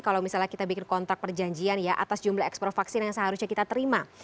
kalau misalnya kita bikin kontrak perjanjian ya atas jumlah ekspor vaksin yang seharusnya kita terima